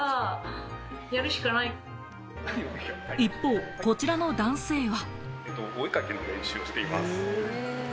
一方、こちらの男性は。